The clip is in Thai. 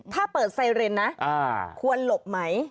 ถ้าเปิดไซเรนนะควรหลบไหม